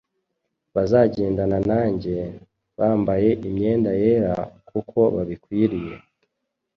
Bazagendana nanjye bambaye imyenda yera, kuko babikwiriye